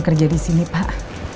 kerja di sini pak